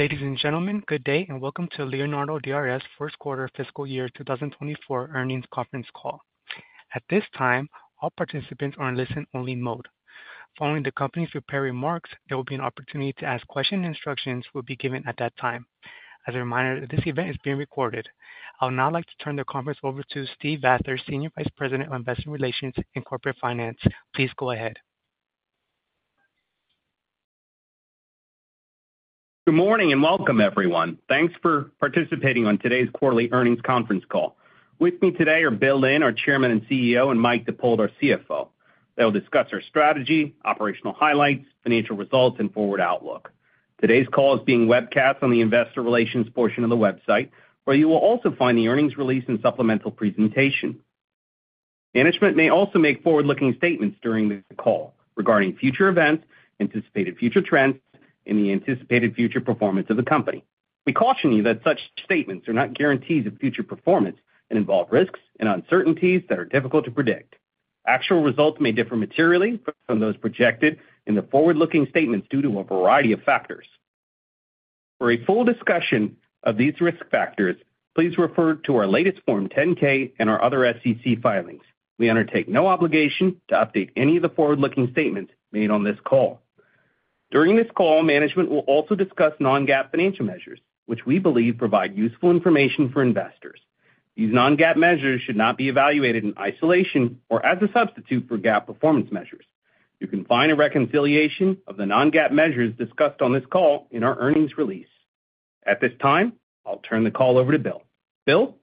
Ladies and gentlemen, good day and welcome to Leonardo DRS First Quarter Fiscal Year 2024 Earnings Conference Call. At this time, all participants are in listen-only mode. Following the company's prepared remarks, there will be an opportunity to ask questions and instructions will be given at that time. As a reminder, this event is being recorded. I would now like to turn the conference over to Steve Vather, Senior Vice President of Investor Relations and Corporate Finance. Please go ahead. Good morning and welcome, everyone. Thanks for participating on today's quarterly earnings conference call. With me today are Bill Lynn, our Chairman and CEO, and Mike Dippold, our CFO. They will discuss our strategy, operational highlights, financial results, and forward outlook. Today's call is being webcast on the Investor Relations portion of the website, where you will also find the earnings release and supplemental presentation. Management may also make forward-looking statements during the call regarding future events, anticipated future trends, and the anticipated future performance of the company. We caution you that such statements are not guarantees of future performance and involve risks and uncertainties that are difficult to predict. Actual results may differ materially from those projected in the forward-looking statements due to a variety of factors. For a full discussion of these risk factors, please refer to our latest Form 10-K and our other SEC filings. We undertake no obligation to update any of the forward-looking statements made on this call. During this call, management will also discuss non-GAAP financial measures, which we believe provide useful information for investors. These non-GAAP measures should not be evaluated in isolation or as a substitute for GAAP performance measures. You can find a reconciliation of the non-GAAP measures discussed on this call in our earnings release. At this time, I'll turn the call over to Bill. Bill?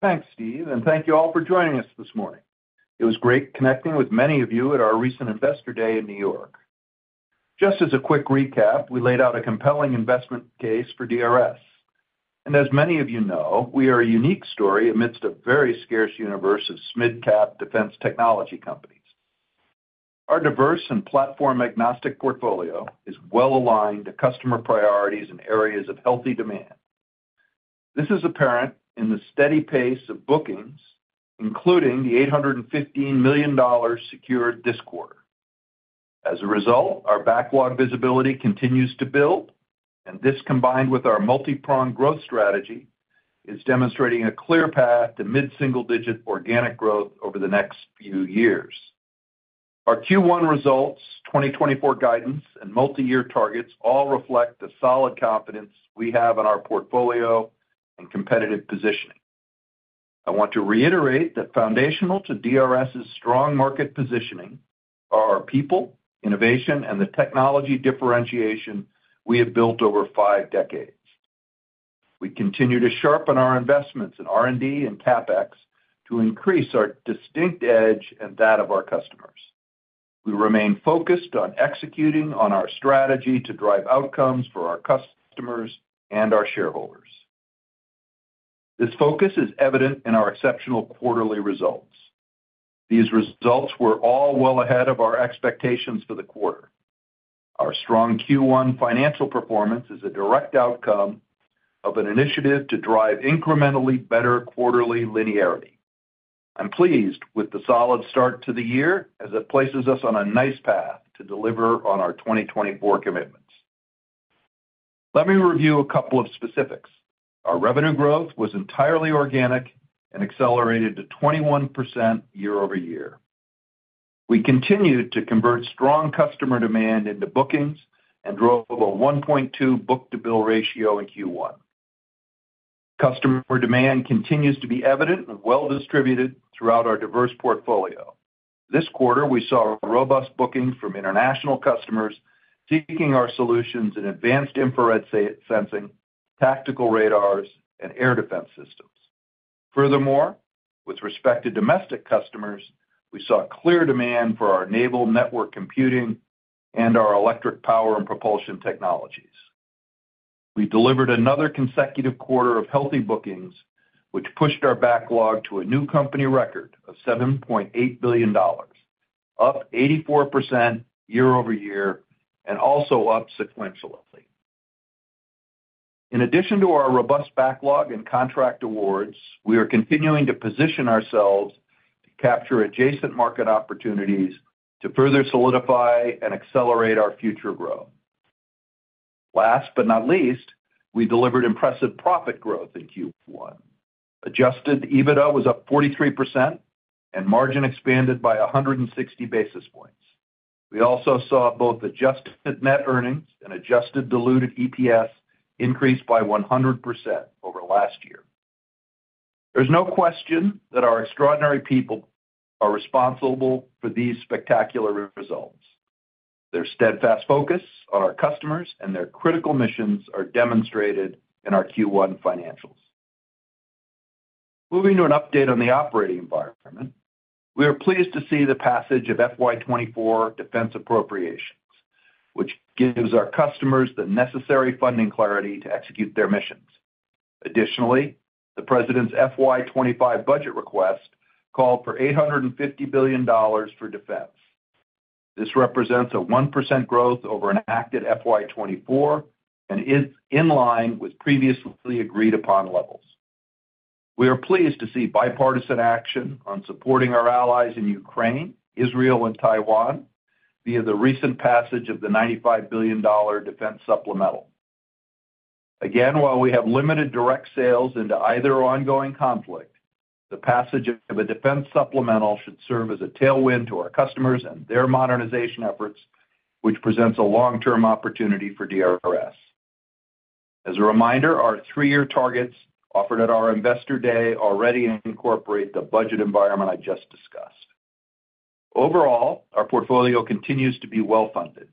Thanks, Steve, and thank you all for joining us this morning. It was great connecting with many of you at our recent Investor Day in New York. Just as a quick recap, we laid out a compelling investment case for DRS. As many of you know, we are a unique story amidst a very scarce universe of SMID Cap defense technology companies. Our diverse and platform-agnostic portfolio is well aligned to customer priorities and areas of healthy demand. This is apparent in the steady pace of bookings, including the $815 million secured this quarter. As a result, our backlog visibility continues to build, and this, combined with our multi-pronged growth strategy, is demonstrating a clear path to mid-single-digit organic growth over the next few years. Our Q1 results, 2024 guidance, and multi-year targets all reflect the solid confidence we have in our portfolio and competitive positioning. I want to reiterate that foundational to DRS's strong market positioning are our people, innovation, and the technology differentiation we have built over five decades. We continue to sharpen our investments in R&D and CapEx to increase our distinct edge and that of our customers. We remain focused on executing on our strategy to drive outcomes for our customers and our shareholders. This focus is evident in our exceptional quarterly results. These results were all well ahead of our expectations for the quarter. Our strong Q1 financial performance is a direct outcome of an initiative to drive incrementally better quarterly linearity. I'm pleased with the solid start to the year as it places us on a nice path to deliver on our 2024 commitments. Let me review a couple of specifics. Our revenue growth was entirely organic and accelerated to 21% year-over-year. We continued to convert strong customer demand into bookings and drove a 1.2 book-to-bill ratio in Q1. Customer demand continues to be evident and well distributed throughout our diverse portfolio. This quarter, we saw robust bookings from international customers seeking our solutions in advanced infrared sensing, tactical radars, and air defense systems. Furthermore, with respect to domestic customers, we saw clear demand for our naval network computing and our electric power and propulsion technologies. We delivered another consecutive quarter of healthy bookings, which pushed our backlog to a new company record of $7.8 billion, up 84% year-over-year and also up sequentially. In addition to our robust backlog and contract awards, we are continuing to position ourselves to capture adjacent market opportunities to further solidify and accelerate our future growth. Last but not least, we delivered impressive profit growth in Q1. Adjusted EBITDA was up 43% and margin expanded by 160 basis points. We also saw both adjusted net earnings and adjusted diluted EPS increase by 100% over last year. There's no question that our extraordinary people are responsible for these spectacular results. Their steadfast focus on our customers and their critical missions are demonstrated in our Q1 financials. Moving to an update on the operating environment, we are pleased to see the passage of FY24 defense appropriations, which gives our customers the necessary funding clarity to execute their missions. Additionally, the President's FY25 budget request called for $850 billion for defense. This represents a 1% growth over an active FY24 and is in line with previously agreed-upon levels. We are pleased to see bipartisan action on supporting our allies in Ukraine, Israel, and Taiwan via the recent passage of the $95 billion defense supplemental. Again, while we have limited direct sales into either ongoing conflict, the passage of a Defense Supplemental should serve as a tailwind to our customers and their modernization efforts, which presents a long-term opportunity for DRS. As a reminder, our three-year targets offered at our Investor Day already incorporate the budget environment I just discussed. Overall, our portfolio continues to be well funded.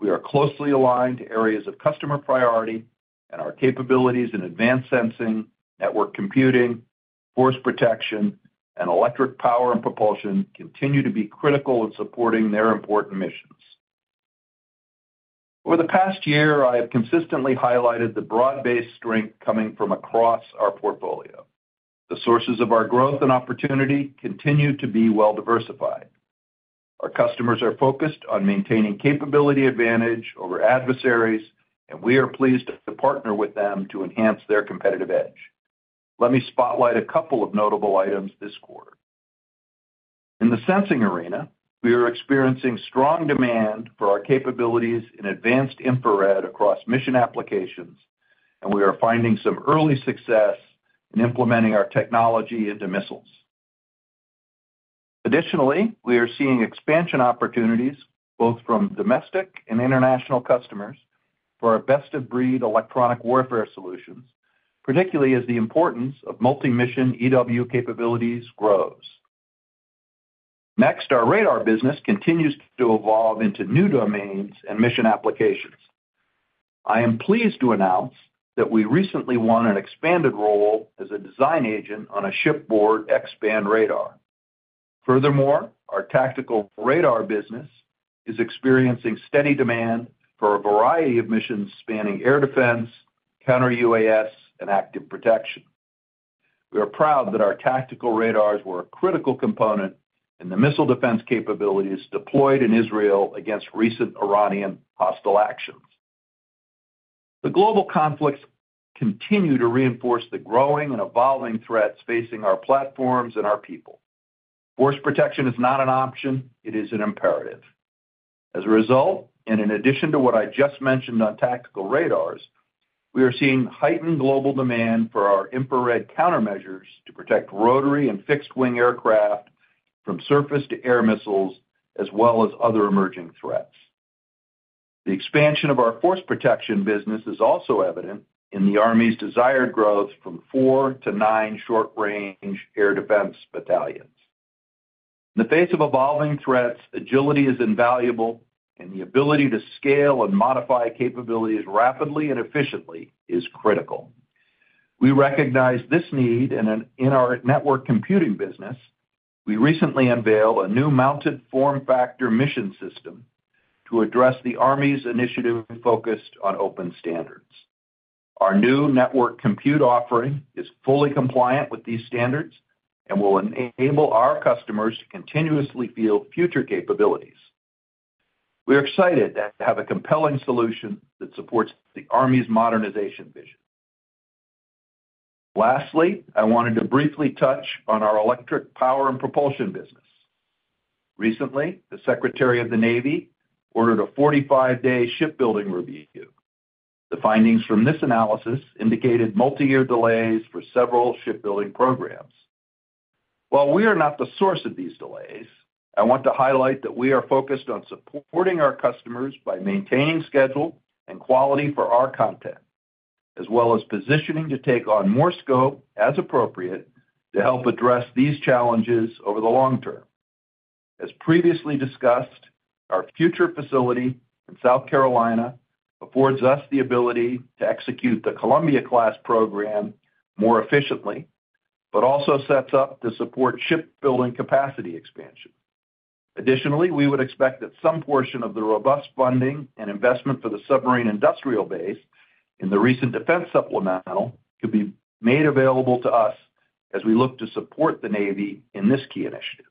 We are closely aligned to areas of customer priority, and our capabilities in advanced sensing, network computing, force protection, and electric power and propulsion continue to be critical in supporting their important missions. Over the past year, I have consistently highlighted the broad-based strength coming from across our portfolio. The sources of our growth and opportunity continue to be well diversified. Our customers are focused on maintaining capability advantage over adversaries, and we are pleased to partner with them to enhance their competitive edge. Let me spotlight a couple of notable items this quarter. In the sensing arena, we are experiencing strong demand for our capabilities in advanced infrared across mission applications, and we are finding some early success in implementing our technology into missiles. Additionally, we are seeing expansion opportunities both from domestic and international customers for our best-of-breed electronic warfare solutions, particularly as the importance of multi-mission EW capabilities grows. Next, our radar business continues to evolve into new domains and mission applications. I am pleased to announce that we recently won an expanded role as a design agent on a shipboard X-band radar. Furthermore, our tactical radar business is experiencing steady demand for a variety of missions spanning air defense, counter-UAS, and active protection. We are proud that our tactical radars were a critical component in the missile defense capabilities deployed in Israel against recent Iranian hostile actions. The global conflicts continue to reinforce the growing and evolving threats facing our platforms and our people. Force protection is not an option. It is an imperative. As a result, and in addition to what I just mentioned on tactical radars, we are seeing heightened global demand for our infrared countermeasures to protect rotary and fixed-wing aircraft from surface-to-air missiles as well as other emerging threats. The expansion of our force protection business is also evident in the Army's desired growth from four to nine short-range air defense battalions. In the face of evolving threats, agility is invaluable, and the ability to scale and modify capabilities rapidly and efficiently is critical. We recognize this need, and in our network computing business, we recently unveiled a new mounted form factor mission system to address the Army's initiative focused on open standards. Our new network compute offering is fully compliant with these standards and will enable our customers to continuously field future capabilities. We are excited to have a compelling solution that supports the Army's modernization vision. Lastly, I wanted to briefly touch on our electric power and propulsion business. Recently, the Secretary of the Navy ordered a 45-day shipbuilding review. The findings from this analysis indicated multi-year delays for several shipbuilding programs. While we are not the source of these delays, I want to highlight that we are focused on supporting our customers by maintaining schedule and quality for our content, as well as positioning to take on more scope as appropriate to help address these challenges over the long term. As previously discussed, our future facility in South Carolina affords us the ability to execute the Columbia-class program more efficiently, but also sets up to support shipbuilding capacity expansion. Additionally, we would expect that some portion of the robust funding and investment for the submarine industrial base in the recent defense supplemental could be made available to us as we look to support the Navy in this key initiative.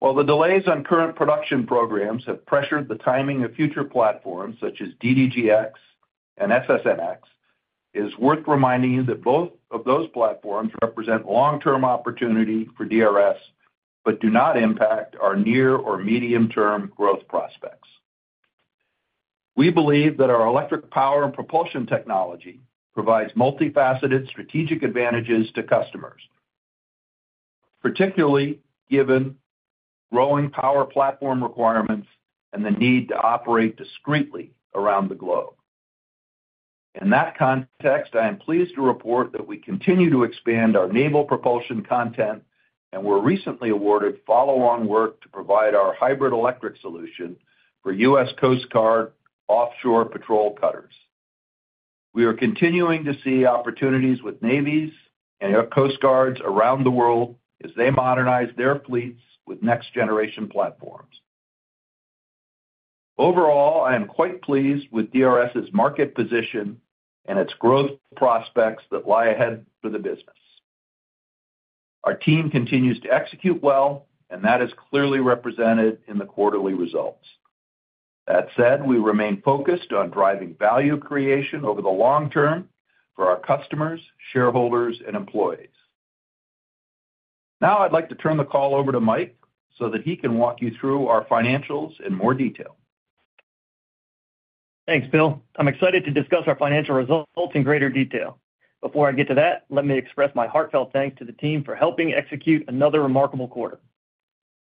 While the delays on current production programs have pressured the timing of future platforms such as DDG(X) and SSN(X), it is worth reminding you that both of those platforms represent long-term opportunity for DRS but do not impact our near or medium-term growth prospects. We believe that our electric power and propulsion technology provides multifaceted strategic advantages to customers, particularly given growing power platform requirements and the need to operate discreetly around the globe. In that context, I am pleased to report that we continue to expand our naval propulsion content, and we're recently awarded follow-on work to provide our hybrid electric solution for U.S. Coast Guard offshore patrol cutters. We are continuing to see opportunities with navies and coast guards around the world as they modernize their fleets with next-generation platforms. Overall, I am quite pleased with DRS's market position and its growth prospects that lie ahead for the business. Our team continues to execute well, and that is clearly represented in the quarterly results. That said, we remain focused on driving value creation over the long term for our customers, shareholders, and employees. Now I'd like to turn the call over to Mike so that he can walk you through our financials in more detail. Thanks, Bill. I'm excited to discuss our financial results in greater detail. Before I get to that, let me express my heartfelt thanks to the team for helping execute another remarkable quarter.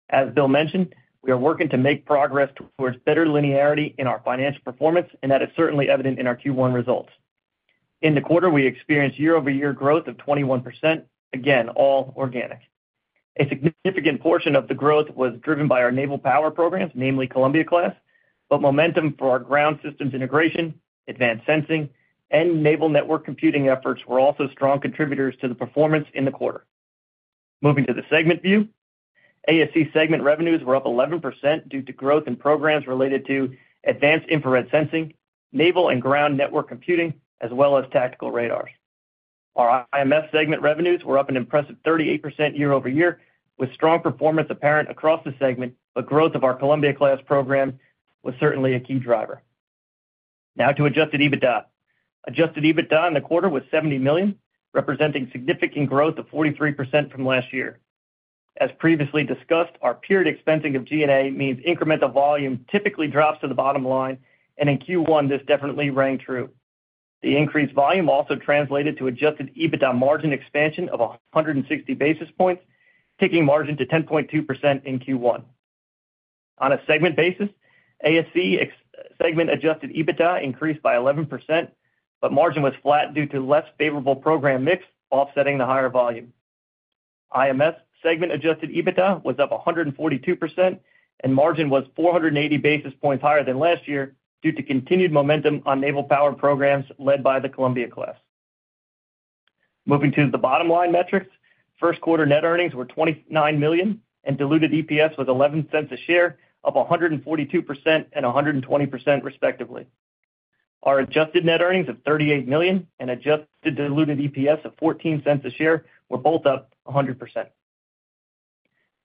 As Bill mentioned, we are working to make progress towards better linearity in our financial performance, and that is certainly evident in our Q1 results. In the quarter, we experienced year-over-year growth of 21%, again, all organic. A significant portion of the growth was driven by our naval power programs, namely Columbia-class, but momentum for our ground systems integration, advanced sensing, and naval network computing efforts were also strong contributors to the performance in the quarter. Moving to the segment view, ASC segment revenues were up 11% due to growth in programs related to advanced infrared sensing, naval and ground network computing, as well as tactical radars. Our IMS segment revenues were up an impressive 38% year-over-year, with strong performance apparent across the segment, but growth of our Columbia-class program was certainly a key driver. Now to adjusted EBITDA. Adjusted EBITDA in the quarter was $70 million, representing significant growth of 43% from last year. As previously discussed, our period expensing of G&A means incremental volume typically drops to the bottom line, and in Q1, this definitely rang true. The increased volume also translated to adjusted EBITDA margin expansion of 160 basis points, ticking margin to 10.2% in Q1. On a segment basis, ASC segment adjusted EBITDA increased by 11%, but margin was flat due to less favorable program mix offsetting the higher volume. IMS segment adjusted EBITDA was up 142%, and margin was 480 basis points higher than last year due to continued momentum on naval power programs led by the Columbia-class. Moving to the bottom line metrics, first quarter net earnings were $29 million, and diluted EPS was $0.11 a share, up 142% and 120% respectively. Our adjusted net earnings of $38 million and adjusted diluted EPS of $0.14 a share were both up 100%.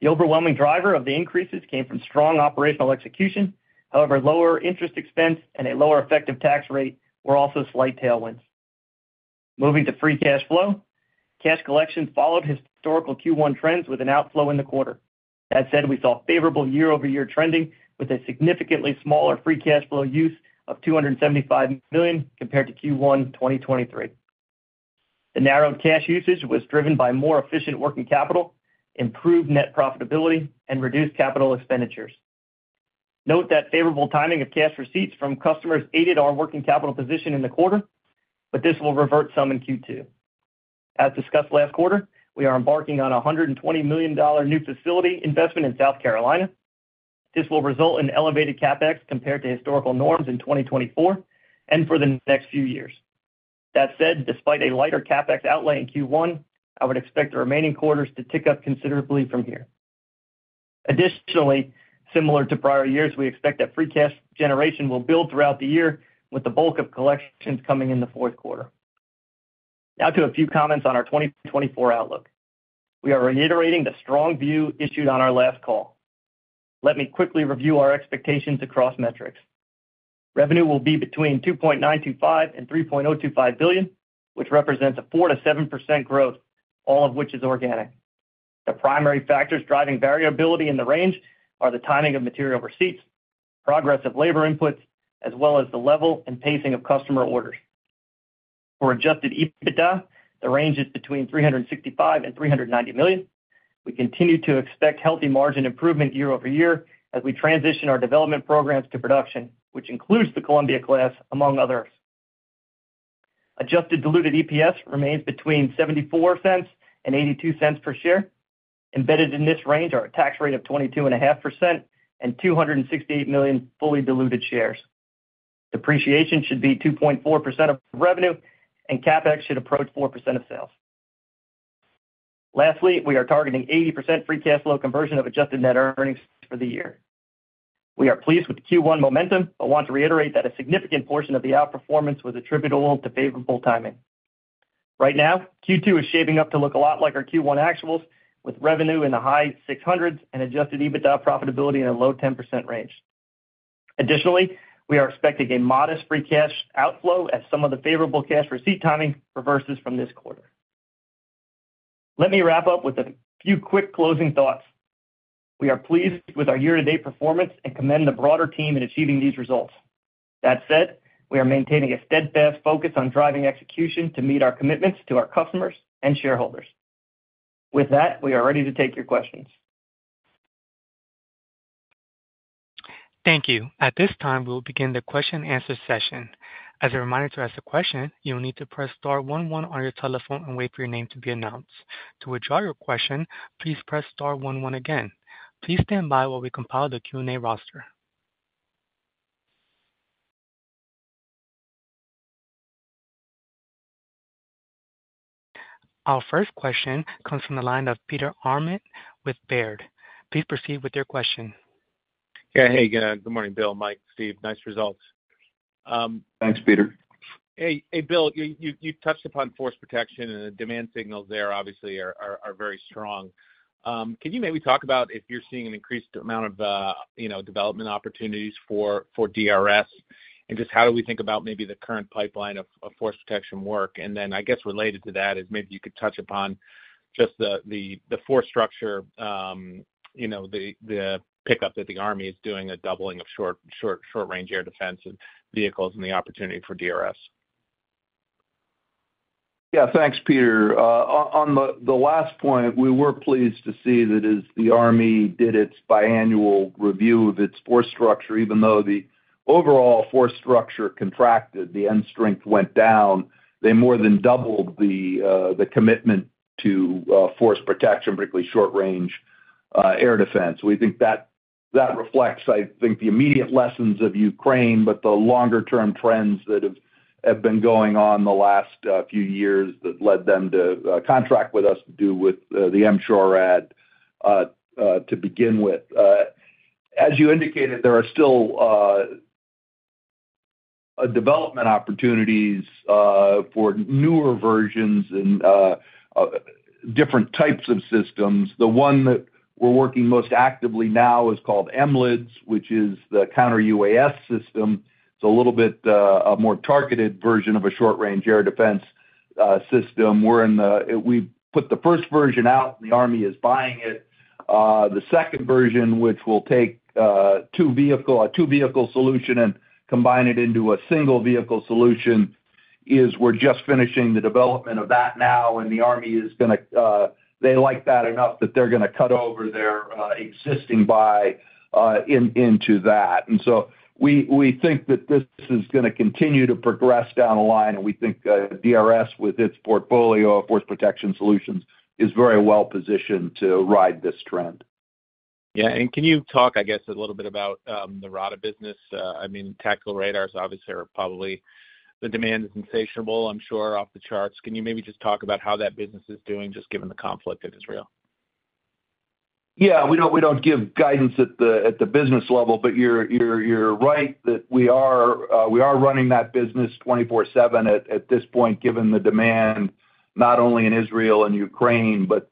The overwhelming driver of the increases came from strong operational execution. However, lower interest expense and a lower effective tax rate were also slight tailwinds. Moving to free cash flow, cash collection followed historical Q1 trends with an outflow in the quarter. That said, we saw favorable year-over-year trending with a significantly smaller free cash flow use of $275 million compared to Q1 2023. The narrowed cash usage was driven by more efficient working capital, improved net profitability, and reduced capital expenditures. Note that favorable timing of cash receipts from customers aided our working capital position in the quarter, but this will revert some in Q2. As discussed last quarter, we are embarking on a $120 million new facility investment in South Carolina. This will result in elevated CapEx compared to historical norms in 2024 and for the next few years. That said, despite a lighter CapEx outlay in Q1, I would expect the remaining quarters to tick up considerably from here. Additionally, similar to prior years, we expect that free cash generation will build throughout the year, with the bulk of collections coming in the fourth quarter. Now to a few comments on our 2024 outlook. We are reiterating the strong view issued on our last call. Let me quickly review our expectations across metrics. Revenue will be between $2.925 billion-$3.025 billion, which represents a 4%-7% growth, all of which is organic. The primary factors driving variability in the range are the timing of material receipts, progress of labor inputs, as well as the level and pacing of customer orders. For adjusted EBITDA, the range is between $365 million-$390 million. We continue to expect healthy margin improvement year-over-year as we transition our development programs to production, which includes the Columbia-class, among others. Adjusted diluted EPS remains between $0.74-$0.82 per share. Embedded in this range are a tax rate of 22.5% and 268 million fully diluted shares. Depreciation should be 2.4% of revenue, and CapEx should approach 4% of sales. Lastly, we are targeting 80% free cash flow conversion of adjusted net earnings for the year. We are pleased with Q1 momentum, but want to reiterate that a significant portion of the outperformance was attributable to favorable timing. Right now, Q2 is shaping up to look a lot like our Q1 actuals, with revenue in the high 600s and adjusted EBITDA profitability in a low 10% range. Additionally, we are expecting a modest free cash outflow as some of the favorable cash receipt timing reverses from this quarter. Let me wrap up with a few quick closing thoughts. We are pleased with our year-to-date performance and commend the broader team in achieving these results. That said, we are maintaining a steadfast focus on driving execution to meet our commitments to our customers and shareholders. With that, we are ready to take your questions. Thank you. At this time, we will begin the question-and-answer session. As a reminder to ask a question, you will need to press star 11 on your telephone and wait for your name to be announced. To withdraw your question, please press star 11 again. Please stand by while we compile the Q&A roster. Our first question comes from the line of Peter Arment with Baird. Please proceed with your question. Yeah. Hey. Good morning, Bill, Mike, Steve. Nice results. Thanks, Peter. Hey. Hey, Bill. You touched upon force protection, and the demand signals there, obviously, are very strong. Can you maybe talk about if you're seeing an increased amount of development opportunities for DRS, and just how do we think about maybe the current pipeline of force protection work? And then, I guess, related to that is maybe you could touch upon just the force structure, the pickup that the Army is doing, a doubling of short-range air defense vehicles and the opportunity for DRS. Yeah. Thanks, Peter. On the last point, we were pleased to see that as the Army did its biannual review of its force structure, even though the overall force structure contracted, the end strength went down, they more than doubled the commitment to force protection, particularly short-range air defense. We think that reflects, I think, the immediate lessons of Ukraine, but the longer-term trends that have been going on the last few years that led them to contract with us to do with the M-SHORAD to begin with. As you indicated, there are still development opportunities for newer versions and different types of systems. The one that we're working most actively now is called M-LIDS, which is the counter-UAS system. It's a little bit a more targeted version of a short-range air defense system. We put the first version out, and the Army is buying it. The second version, which will take a two-vehicle solution and combine it into a single-vehicle solution, is. We're just finishing the development of that now, and the Army is going to. They like that enough that they're going to cut over their existing buy into that. And so we think that this is going to continue to progress down the line, and we think DRS, with its portfolio of force protection solutions, is very well positioned to ride this trend. Yeah. Can you talk, I guess, a little bit about the RADA business? I mean, tactical radars, obviously, are probably the demand is insatiable, I'm sure, off the charts. Can you maybe just talk about how that business is doing, just given the conflict in Israel? Yeah. We don't give guidance at the business level, but you're right that we are running that business 24/7 at this point, given the demand not only in Israel and Ukraine, but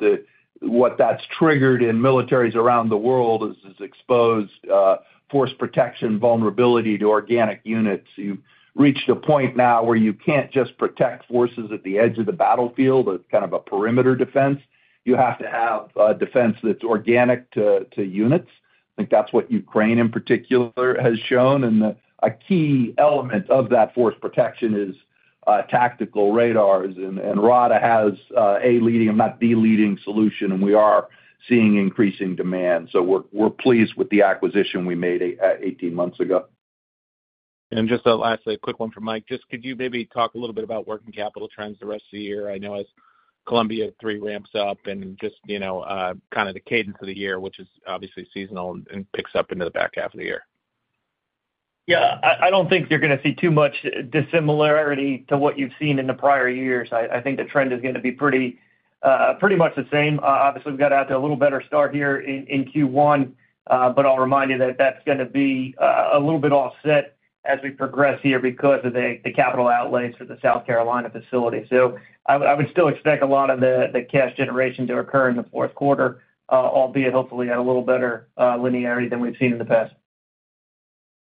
what that's triggered in militaries around the world is exposed force protection vulnerability to organic units. You've reached a point now where you can't just protect forces at the edge of the battlefield, kind of a perimeter defense. You have to have defense that's organic to units. I think that's what Ukraine, in particular, has shown. And a key element of that force protection is tactical radars. And RADA has a leading, if not the leading, solution, and we are seeing increasing demand. So we're pleased with the acquisition we made 18 months ago. Just lastly, a quick one from Mike. Just could you maybe talk a little bit about working capital trends the rest of the year? I know as Columbia 3 ramps up and just kind of the cadence of the year, which is obviously seasonal and picks up into the back half of the year. Yeah. I don't think you're going to see too much dissimilarity to what you've seen in the prior years. I think the trend is going to be pretty much the same. Obviously, we've got to have a little better start here in Q1, but I'll remind you that that's going to be a little bit offset as we progress here because of the capital outlays for the South Carolina facility. So I would still expect a lot of the cash generation to occur in the fourth quarter, albeit hopefully at a little better linearity than we've seen in the past.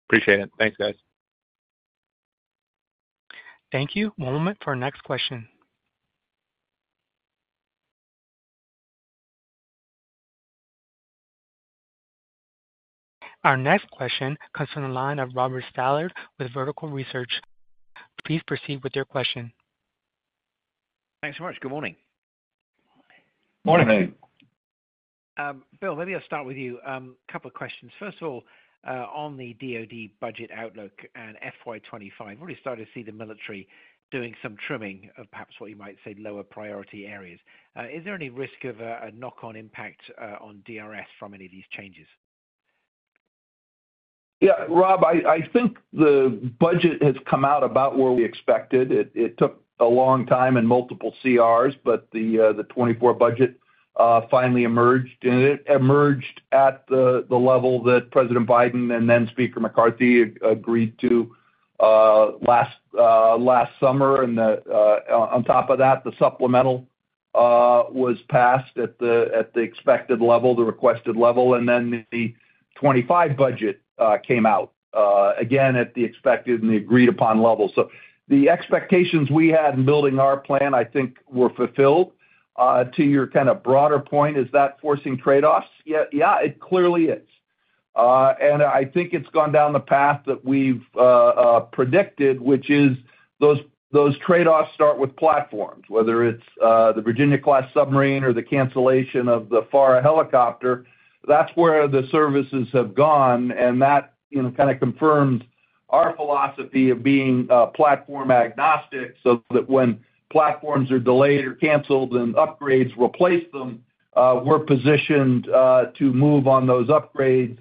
Appreciate it. Thanks, guys. Thank you. One moment for our next question. Our next question comes from the line of Robert Stallard with Vertical Research. Please proceed with your question. Thanks so much. Good morning. Morning. Bill, maybe I'll start with you. A couple of questions. First of all, on the DoD budget outlook and FY 2025, we've already started to see the military doing some trimming of perhaps what you might say lower priority areas. Is there any risk of a knock-on impact on DRS from any of these changes? Yeah. Rob, I think the budget has come out about where we expected. It took a long time and multiple CRs, but the 2024 budget finally emerged. And it emerged at the level that President Biden and then Speaker McCarthy agreed to last summer. And on top of that, the supplemental was passed at the expected level, the requested level. And then the 2025 budget came out, again, at the expected and the agreed-upon level. So the expectations we had in building our plan, I think, were fulfilled. To your kind of broader point, is that forcing trade-offs? Yeah, it clearly is. And I think it's gone down the path that we've predicted, which is those trade-offs start with platforms, whether it's the Virginia-class submarine or the cancellation of the FARA helicopter. That's where the services have gone, and that kind of confirms our philosophy of being platform-agnostic so that when platforms are delayed or canceled and upgrades replace them, we're positioned to move on those upgrades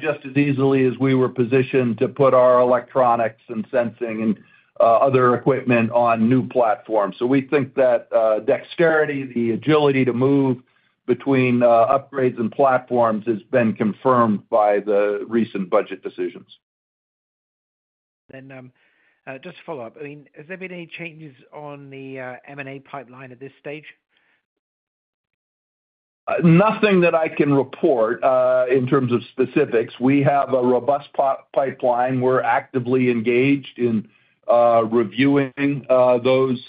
just as easily as we were positioned to put our electronics and sensing and other equipment on new platforms. So we think that dexterity, the agility to move between upgrades and platforms, has been confirmed by the recent budget decisions. Just to follow up, I mean, has there been any changes on the M&A pipeline at this stage? Nothing that I can report in terms of specifics. We have a robust pipeline. We're actively engaged in reviewing those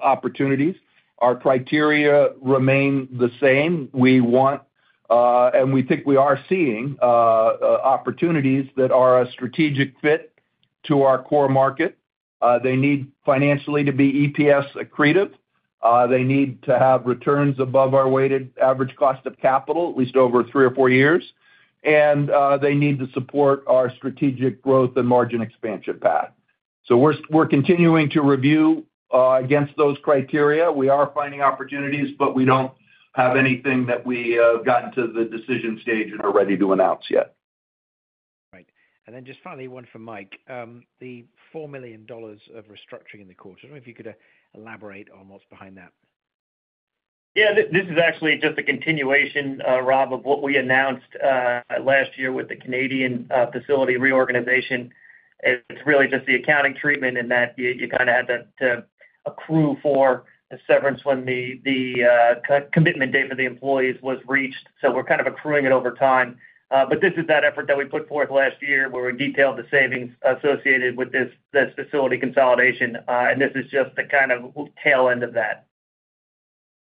opportunities. Our criteria remain the same. We think we are seeing opportunities that are a strategic fit to our core market. They need financially to be EPS accretive. They need to have returns above our weighted average cost of capital, at least over three or four years. They need to support our strategic growth and margin expansion path. We're continuing to review against those criteria. We are finding opportunities, but we don't have anything that we've gotten to the decision stage and are ready to announce yet. Right. And then just finally, one from Mike. The $4 million of restructuring in the quarter. I don't know if you could elaborate on what's behind that? Yeah. This is actually just a continuation, Rob, of what we announced last year with the Canadian facility reorganization. It's really just the accounting treatment in that you kind of had to accrue for the severance when the commitment day for the employees was reached. So we're kind of accruing it over time. But this is that effort that we put forth last year where we detailed the savings associated with this facility consolidation. And this is just the kind of tail end of that.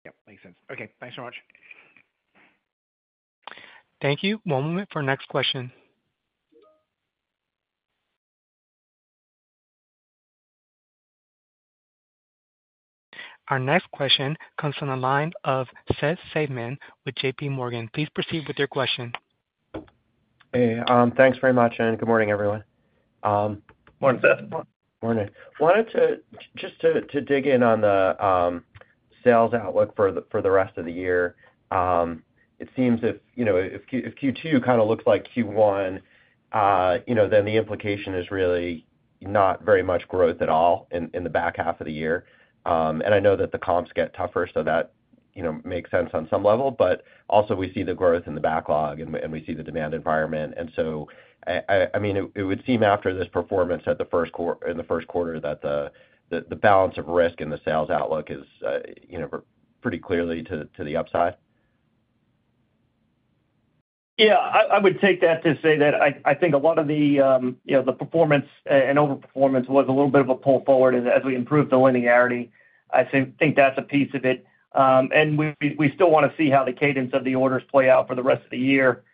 Yep. Makes sense. Okay. Thanks so much. Thank you. One moment for our next question. Our next question comes from the line of Seth Seifman with J.P. Morgan. Please proceed with your question. Hey. Thanks very much, and good morning, everyone. Morning, Seth. Morning. Wanted to just dig in on the sales outlook for the rest of the year. It seems if Q2 kind of looks like Q1, then the implication is really not very much growth at all in the back half of the year. And I know that the comps get tougher, so that makes sense on some level. But also, we see the growth in the backlog, and we see the demand environment. And so, I mean, it would seem after this performance in the first quarter that the balance of risk and the sales outlook is pretty clearly to the upside. Yeah. I would take that to say that I think a lot of the performance and overperformance was a little bit of a pull forward. And as we improved the linearity, I think that's a piece of it. And we still want to see how the cadence of the orders play out for the rest of the year.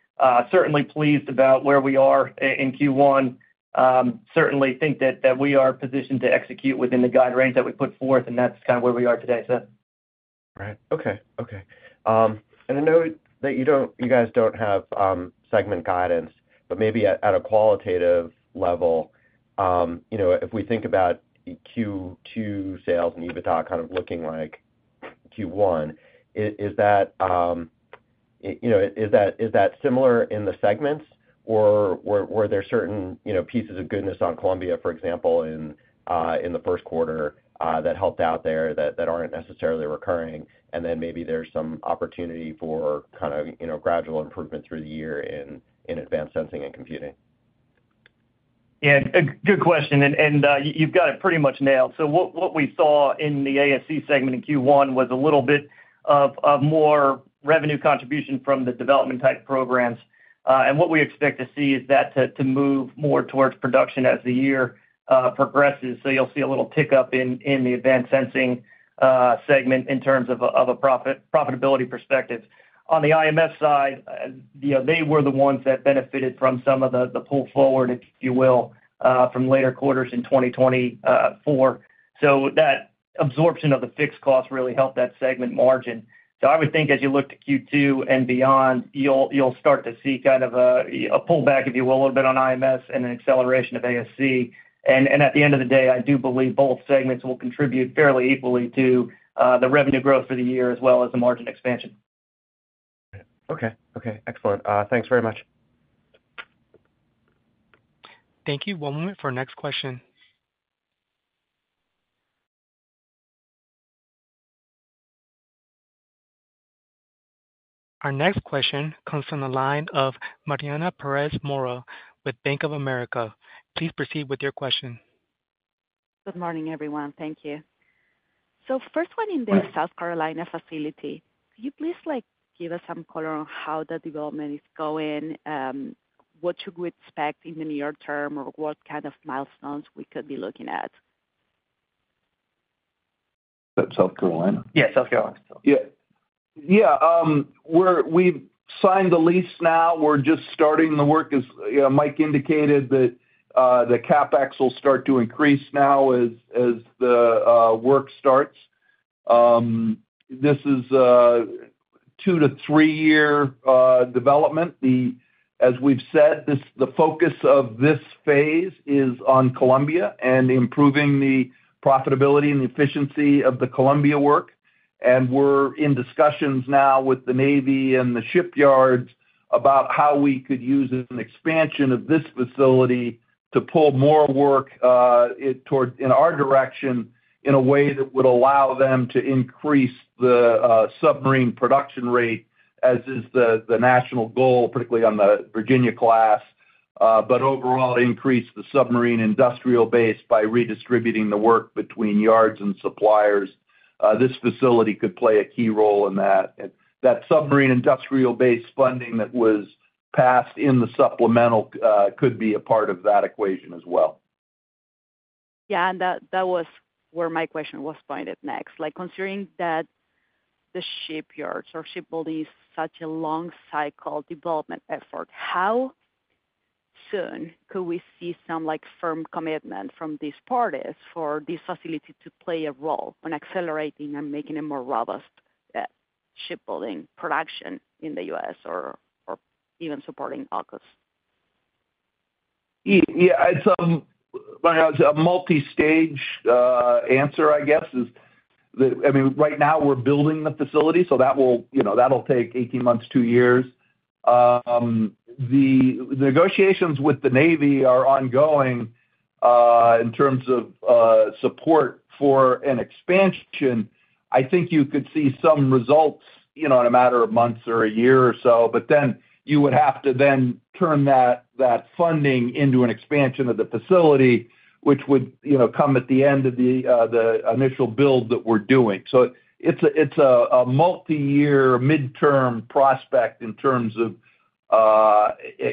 Certainly pleased about where we are in Q1. Certainly think that we are positioned to execute within the guidelines that we put forth, and that's kind of where we are today, Seth. Right. Okay. Okay. And I know that you guys don't have segment guidance, but maybe at a qualitative level, if we think about Q2 sales and EBITDA kind of looking like Q1, is that similar in the segments, or were there certain pieces of goodness on Columbia, for example, in the first quarter that helped out there that aren't necessarily recurring? And then maybe there's some opportunity for kind of gradual improvement through the year in advanced sensing and computing? Yeah. Good question. And you've got it pretty much nailed. So what we saw in the ASC segment in Q1 was a little bit of more revenue contribution from the development-type programs. And what we expect to see is that to move more towards production as the year progresses. So you'll see a little tick-up in the advanced sensing segment in terms of a profitability perspective. On the IMS side, they were the ones that benefited from some of the pull forward, if you will, from later quarters in 2024. So that absorption of the fixed cost really helped that segment margin. So I would think as you look to Q2 and beyond, you'll start to see kind of a pullback, if you will, a little bit on IMS and an acceleration of ASC. At the end of the day, I do believe both segments will contribute fairly equally to the revenue growth for the year as well as the margin expansion. Okay. Okay. Excellent. Thanks very much. Thank you. One moment for our next question. Our next question comes from the line of Mariana Perez Mora with Bank of America. Please proceed with your question. Good morning, everyone. Thank you. First one in the South Carolina facility. Can you please give us some color on how the development is going, what you would expect in the near term, or what kind of milestones we could be looking at? South Carolina? Yeah. South Carolina. Yeah. Yeah. We've signed the lease now. We're just starting the work. As Mike indicated, the CapEx will start to increase now as the work starts. This is a 2-3-year development. As we've said, the focus of this phase is on Columbia and improving the profitability and the efficiency of the Columbia work. And we're in discussions now with the Navy and the shipyards about how we could use an expansion of this facility to pull more work in our direction in a way that would allow them to increase the submarine production rate, as is the national goal, particularly on the Virginia class, but overall increase the submarine industrial base by redistributing the work between yards and suppliers. This facility could play a key role in that. That submarine industrial base funding that was passed in the supplemental could be a part of that equation as well. Yeah. That was where my question was pointed next. Considering that the shipyards or shipbuilding is such a long-cycle development effort, how soon could we see some firm commitment from these parties for this facility to play a role in accelerating and making it more robust shipbuilding production in the U.S. or even supporting AUKUS? Yeah. It's a multi-stage answer, I guess, is that, I mean, right now, we're building the facility, so that'll take 18 months, 2 years. The negotiations with the Navy are ongoing in terms of support for an expansion. I think you could see some results in a matter of months or a year or so. But then you would have to then turn that funding into an expansion of the facility, which would come at the end of the initial build that we're doing. So it's a multi-year, midterm prospect in terms of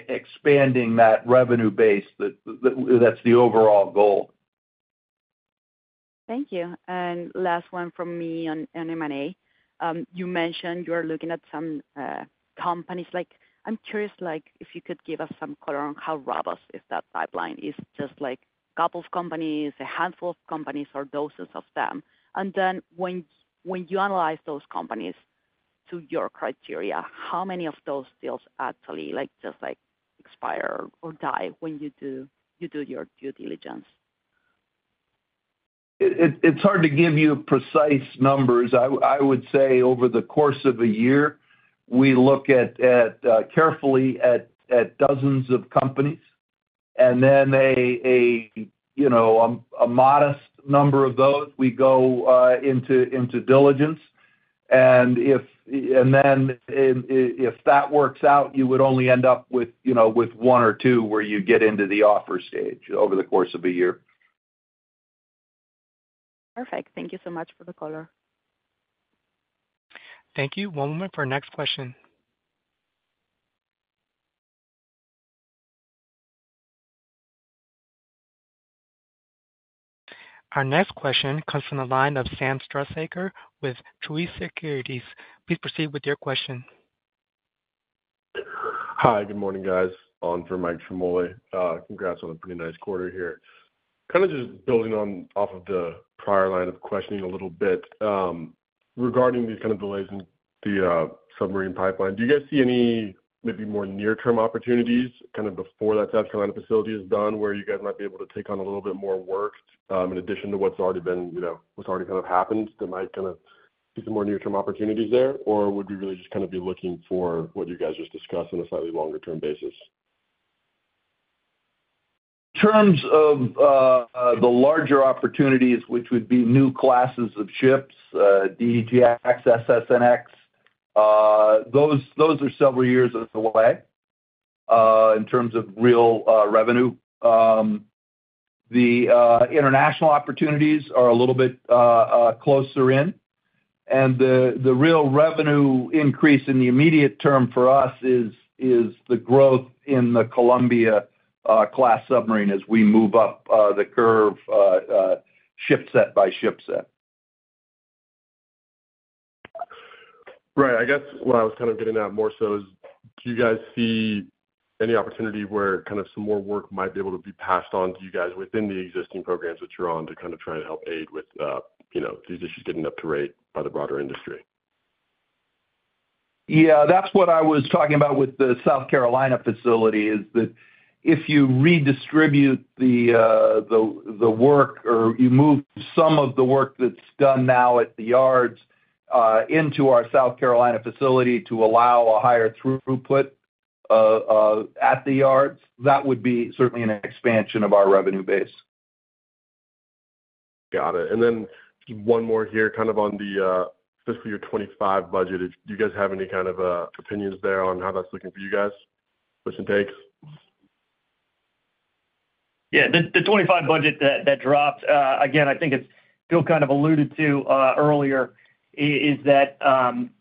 expanding that revenue base. That's the overall goal. Thank you. Last one from me on M&A. You mentioned you are looking at some companies. I'm curious if you could give us some color on how robust that pipeline is. Just a couple of companies, a handful of companies, or dozens of them? And then when you analyze those companies to your criteria, how many of those deals actually just expire or die when you do your due diligence? It's hard to give you precise numbers. I would say over the course of a year, we look carefully at dozens of companies, and then a modest number of those, we go into diligence. And then if that works out, you would only end up with one or two where you get into the offer stage over the course of a year. Perfect. Thank you so much for the color. Thank you. One moment for our next question. Our next question comes from the line of Sam Strasser with Truist Securities. Please proceed with your question. Hi. Good morning, guys. On for Michael Ciarmoli. Congrats on a pretty nice quarter here. Kind of just building off of the prior line of questioning a little bit, regarding these kind of delays in the submarine pipeline, do you guys see any maybe more near-term opportunities kind of before that South Carolina facility is done where you guys might be able to take on a little bit more work in addition to what's already been what's already kind of happened that might kind of see some more near-term opportunities there? Or would we really just kind of be looking for what you guys just discussed on a slightly longer-term basis? In terms of the larger opportunities, which would be new classes of ships, DDG(X), SSN(X), those are several years away in terms of real revenue. The international opportunities are a little bit closer in. And the real revenue increase in the immediate term for us is the growth in the Columbia-class submarine as we move up the curve ship set by ship set. Right. I guess what I was kind of getting at more so is do you guys see any opportunity where kind of some more work might be able to be passed on to you guys within the existing programs that you're on to kind of try to help aid with these issues getting up to rate by the broader industry? Yeah. That's what I was talking about with the South Carolina facility, is that if you redistribute the work or you move some of the work that's done now at the yards into our South Carolina facility to allow a higher throughput at the yards, that would be certainly an expansion of our revenue base. Got it. And then one more here kind of on the fiscal year 2025 budget. Do you guys have any kind of opinions there on how that's looking for you guys? With that, thanks. Yeah. The 2025 budget that dropped, again, I think Bill kind of alluded to earlier, is that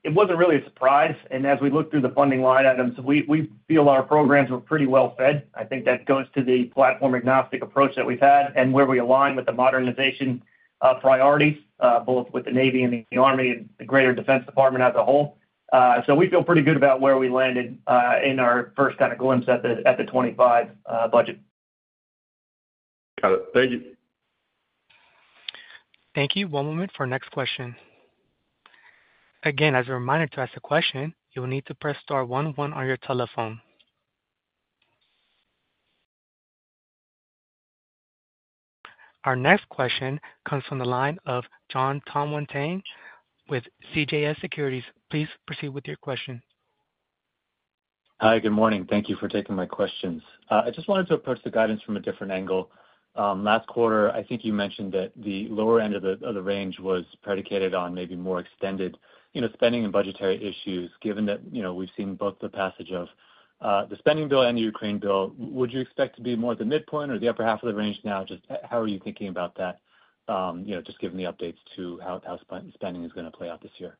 it wasn't really a surprise. And as we look through the funding line items, we feel our programs were pretty well-fed. I think that goes to the platform-agnostic approach that we've had and where we align with the modernization priorities, both with the Navy and the Army and the greater Defense Department as a whole. So we feel pretty good about where we landed in our first kind of glimpse at the 2025 budget. Got it. Thank you. Thank you. One moment for our next question. Again, as a reminder to ask the question, you will need to press star 11 on your telephone. Our next question comes from the line of Jon Tanwanteng with CJS Securities. Please proceed with your question. Hi. Good morning. Thank you for taking my questions. I just wanted to approach the guidance from a different angle. Last quarter, I think you mentioned that the lower end of the range was predicated on maybe more extended spending and budgetary issues. Given that we've seen both the passage of the spending bill and the Ukraine bill, would you expect to be more at the midpoint or the upper half of the range now? Just how are you thinking about that, just given the updates to how spending is going to play out this year?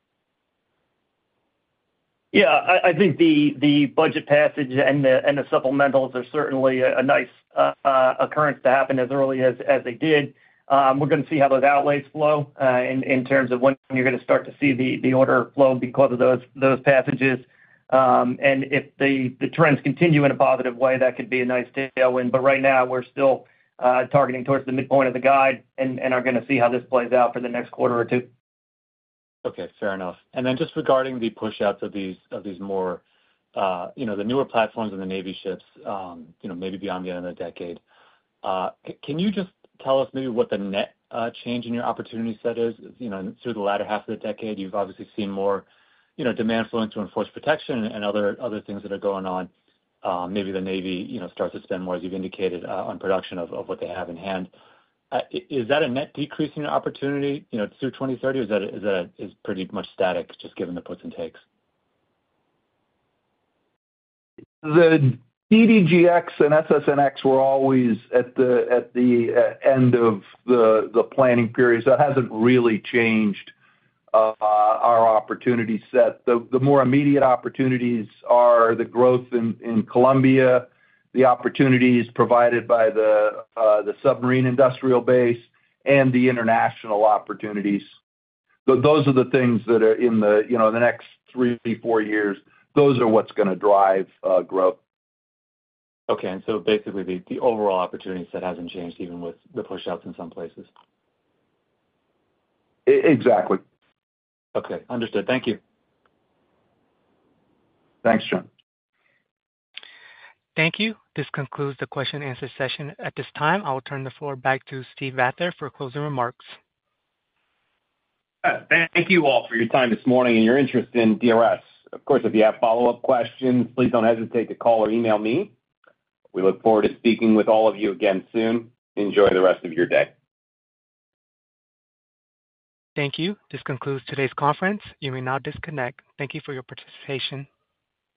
Yeah. I think the budget passage and the supplementals are certainly a nice occurrence to happen as early as they did. We're going to see how those outlays flow in terms of when you're going to start to see the order flow because of those passages. And if the trends continue in a positive way, that could be a nice tailwind. But right now, we're still targeting towards the midpoint of the guide and are going to see how this plays out for the next quarter or two. Okay. Fair enough. Then just regarding the push-outs of these more the newer platforms and the Navy ships, maybe beyond the end of the decade, can you just tell us maybe what the net change in your opportunity set is through the latter half of the decade? You've obviously seen more demand flowing through force protection and other things that are going on. Maybe the Navy starts to spend more, as you've indicated, on production of what they have in hand. Is that a net decrease in your opportunity through 2030, or is that pretty much static just given the puts and takes? The DDG(X) and SSN(X) were always at the end of the planning period. So that hasn't really changed our opportunity set. The more immediate opportunities are the growth in Columbia, the opportunities provided by the submarine industrial base, and the international opportunities. Those are the things that are in the next three, four years. Those are what's going to drive growth. Okay. And so basically, the overall opportunity set hasn't changed even with the push-outs in some places? Exactly. Okay. Understood. Thank you. Thanks, John. Thank you. This concludes the question-and-answer session. At this time, I will turn the floor back to Steve Vather for closing remarks. Thank you all for your time this morning and your interest in DRS. Of course, if you have follow-up questions, please don't hesitate to call or email me. We look forward to speaking with all of you again soon. Enjoy the rest of your day. Thank you. This concludes today's conference. You may now disconnect. Thank you for your participation.